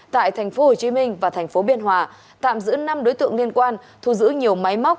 tại tp hcm và tp biên hòa tạm giữ năm đối tượng liên quan thu giữ nhiều máy móc